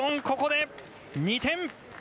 ここで２点。